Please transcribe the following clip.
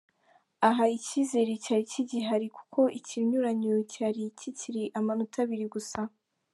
Aha icyizere cyari kigihari kuko ikinyuranyo cyari kikiri amanota abiri gusa.